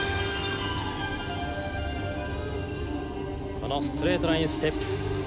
このストレートラインステップ。